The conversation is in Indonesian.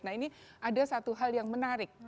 nah ini ada satu hal yang menarik